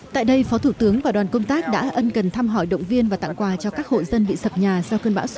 tại đây phó thủ tướng và đoàn công tác đã ân cần thăm hỏi động viên và tặng quà cho các hộ dân bị sập nhà sau cơn bão số năm